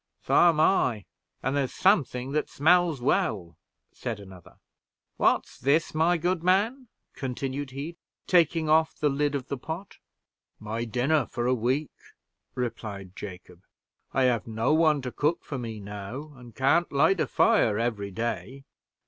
"So am I, and there's something that smells well." said another. "What's this, my good man?" continued he, taking off the lid of the pot. "My dinner for a week," replied Jacob. "I have no one to cook for me now, and can't light a fire every day."